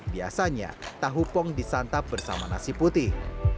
biasanya tahu pong disantap bersama nasi putih